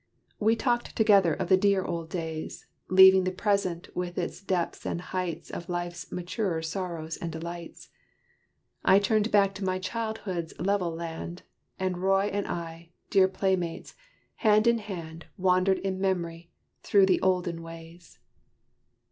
We talked together of the dear old days: Leaving the present, with its depths and heights Of life's maturer sorrows and delights, I turned back to my childhood's level land, And Roy and I, dear playmates, hand in hand, Wandered in mem'ry, through the olden ways.